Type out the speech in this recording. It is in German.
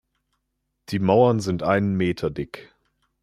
Die Mauern sind einen Meter dick.